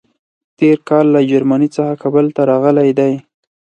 تېر کال له جرمني څخه کابل ته راغلی دی.